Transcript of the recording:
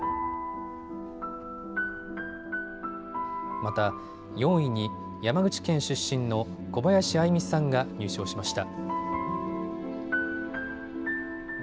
また４位に山口県出身の小林愛実さんが入賞しました。